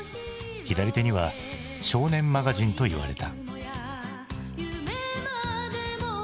左手には「少年マガジン」といわれた。